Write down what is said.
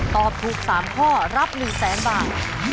ตอบถูก๓ข้อรับ๑๐๐๐๐บาท